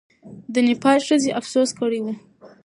د نېپال ښځې افسوس کړی وو.